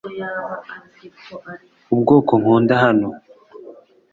ubwoko nkunda hano